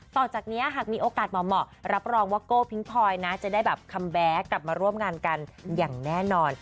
ต่อจากนี้หากมีโอกาสเหมาะรับรองว่าโก้พิงพลอยนะจะได้แบบคัมแบ๊คกลับมาร่วมงานกันอย่างแน่นอน